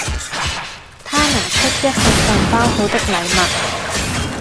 他拿出一份份包好的禮物